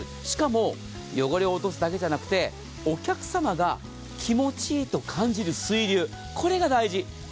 しかも、汚れを落とすだけじゃなくて、お客様が気持ちいいと感じる水流、これが大事。